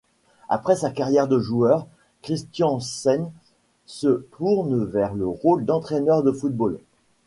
Après sa carrière de joueur, Christiansen se tourne vers le rôle d'entraîneur de football.